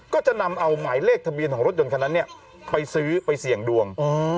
ก็จะนำเอาหมายเลขทะเบียนของรถยนต์คันนั้นไปซื้อไปเสี่ยงดวง